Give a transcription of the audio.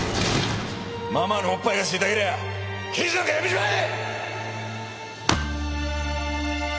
ママのおっぱいが吸いたけりゃ刑事なんか辞めちまえ！